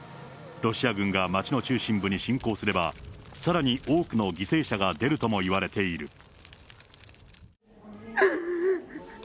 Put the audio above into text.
ロシア軍が町の中心部に侵攻すれば、さらに多くの犠牲者が出るともいわれている。